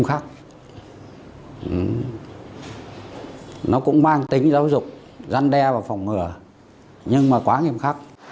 không mang tính giáo dục gian đe và phòng ngừa nhưng mà quá nghiêm khắc